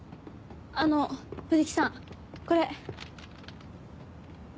あの藤木さんこれ。